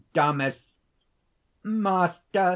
DAMIS. "Master!